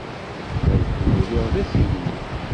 Ad fruriɣ d asigna.